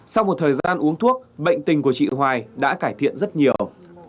sau một thời gian uống thuốc bệnh tình của chị hoài đã cải thiện rất nhiều